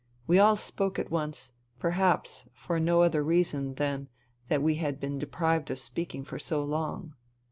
We all spoke at once, perhaps for no other reason than that we had been deprived of speaking for so long.